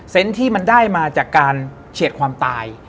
ที่มันได้มาจากการเฉียดความตาย